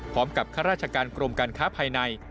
พร้อมกับข้าราชการกรมการค้าภายใน